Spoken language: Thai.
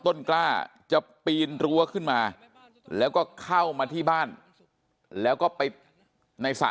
ต้นกล้าจะปีนรั้วขึ้นมาแล้วก็เข้ามาที่บ้านแล้วก็ไปในสระ